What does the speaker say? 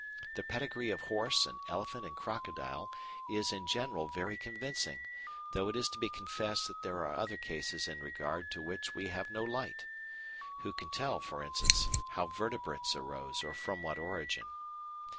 The pedigree of horse and elephant and crocodile is in general very convincing, though it is to be confessed that there are other cases in regard to which we have no light. Who can tell, for instance, how Vertebrates arose or from what origin?